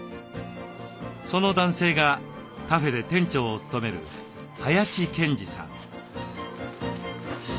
その男性がカフェで店長を務める林健二さん。